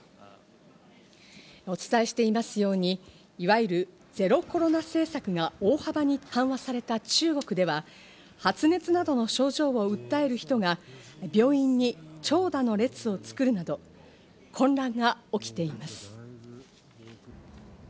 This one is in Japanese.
お伝えしていますように、いわゆるゼロコロナ政策が大幅に緩和された中国では、発熱などの症状を訴える人が病院に長蛇の列を作るなど混乱が起きています。